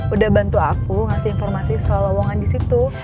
udah bantu aku ngasih informasi soal lowongan di situ